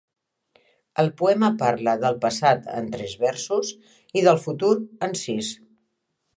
El poema parla del passat en tres versos i del futur, en sis.